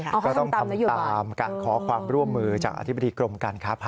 ก็ต้องทำตามการขอความร่วมมือจากอธิบดีกรมการค้าภา